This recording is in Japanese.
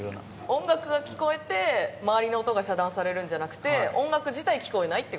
音楽が聞こえて周りの音が遮断されるんじゃなくて音楽自体聞こえないって事ですよね？